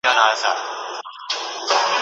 د ډوډۍ پر وخت به خپل قصر ته تلله